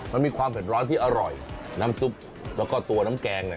มันมีความเผ็ดร้อนที่อร่อยน้ำซุปแล้วก็ตัวน้ำแกงเนี่ย